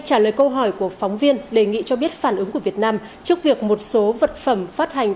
trả lời câu hỏi của phóng viên đề nghị cho biết phản ứng của việt nam trước việc một số vật phẩm phát hành